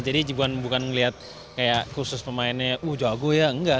jadi bukan ngelihat kayak khusus pemainnya uh jago ya enggak